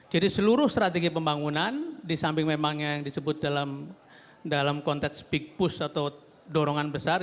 jadi seluruh strategi pembangunan disamping memang yang disebut dalam konteks big push atau dorongan besar